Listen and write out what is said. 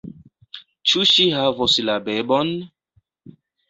Ĉu ŝi havos la bebon?